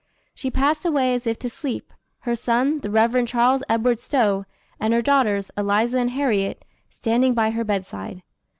She passed away as if to sleep, her son, the Rev. Charles Edward Stowe, and her daughters, Eliza and Harriet, standing by her bedside.